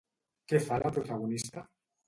Què fa la protagonista?